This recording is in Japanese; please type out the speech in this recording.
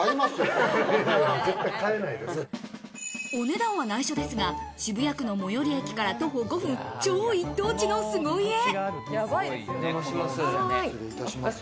お値段は内緒ですが、渋谷区の最寄駅から徒歩５分、超一等地の凄家。